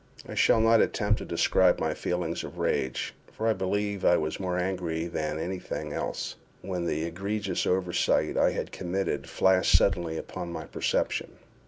I shall not attempt to describe my feelings of rage (for I believe I was more angry than any thing else) when the egregious oversight I had committed flashed suddenly upon my perception.